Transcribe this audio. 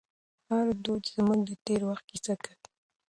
هر دود زموږ د تېر وخت کیسه کوي.